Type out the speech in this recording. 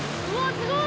すごい！